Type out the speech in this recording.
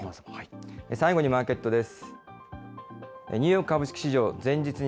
最後にマーケットです。